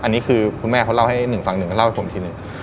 อันนี้คือคุณแม่เขาเล่าให้หนึ่งฟังหนึ่งก็เล่าให้ผมทีหนึ่ง